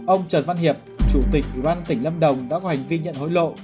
ông trần văn hiệp chủ tịch ủy ban tỉnh lâm đồng đã có hành vi nhận hối lộ